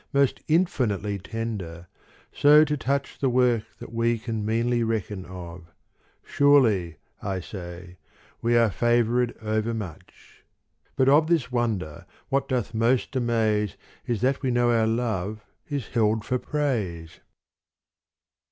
Most infinitely tender, so to touch The work that we can meanly reckon of : Surely — I say — we are favoured overmuch. But of this wonder, what doth most* amaze Is that we know our love is held for praise